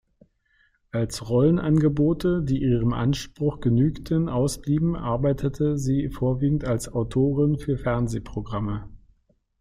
Als Rollenangebote, die ihrem Anspruch genügten, ausblieben, arbeitete sie vorwiegend als Autorin für Fernsehprogramme.